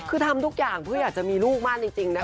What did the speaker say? คือทำทุกอย่างเพื่ออยากจะมีลูกมากจริงนะคะ